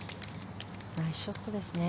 ナイスショットですね。